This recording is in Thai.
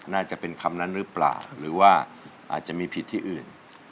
น่าจะเป็นคำนั้นหรือเปล่าหรือว่าอาจจะมีผิดที่อื่น